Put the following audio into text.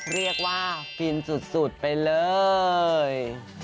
เรียกว่าฟิลสุดไปเลย